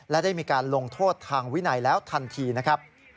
และได้มีการลงโทษทางวินัยแล้วทันทีนะครับ